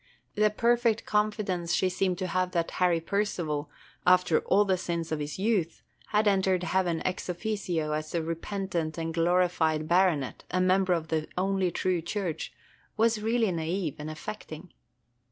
The perfect confidence she seemed to have that Harry Percival, after all the sins of his youth, had entered heaven ex officio as a repentant and glorified baronet, a member of the only True Church, was really naïve and affecting.